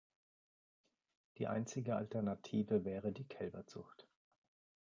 Die einzige Alternative wäre die Kälberzucht.